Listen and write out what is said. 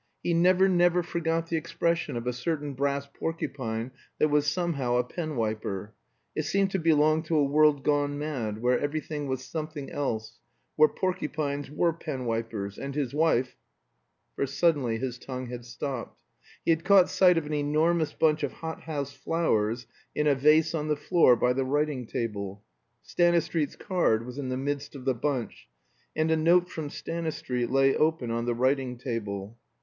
He never, never forgot the expression of a certain brass porcupine that was somehow a penwiper; it seemed to belong to a world gone mad, where everything was something else, where porcupines were penwipers, and his wife For suddenly his tongue had stopped. He had caught sight of an enormous bunch of hothouse flowers in a vase on the floor by the writing table. Stanistreet's card was in the midst of the bunch, and a note from Stanistreet lay open on the writing table.